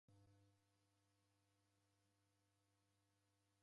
Omoni wadasaghua wana.